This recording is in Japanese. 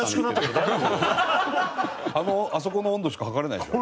あそこの温度しか測れないでしょ。